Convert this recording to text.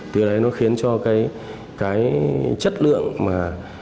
thì đấy nó khiến cho cái chất lượng mà